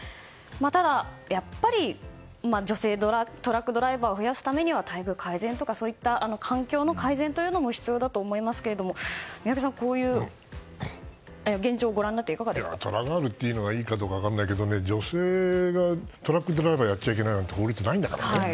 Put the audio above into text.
ただ、やっぱり女性トラックドライバーを増やすためには待遇改善など、環境の改善も必要だと思いますが宮家さん、こういう現状トラガールというのはいいかどうかは分からないけど女性がトラックドライバーをやっちゃいけないなんて法律ないんだからね。